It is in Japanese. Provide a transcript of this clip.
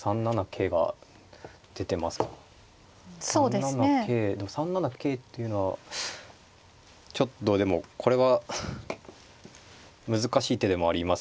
３七桂でも３七桂っていうのはちょっとでもこれは難しい手でもありますね。